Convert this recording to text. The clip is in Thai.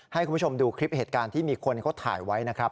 ให้คุณผู้ชมดูคลิปเหตุการณ์ที่มีคนเขาถ่ายไว้นะครับ